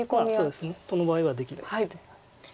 そうですねこの場合はできないです。